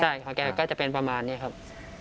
ใช่ของแกก็จะเป็นประมาณเนี่ยครับ